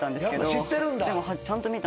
知ってるんだ？